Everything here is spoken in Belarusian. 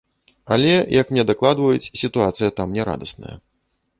Але, як мне дакладваюць, сітуацыя там нярадасная.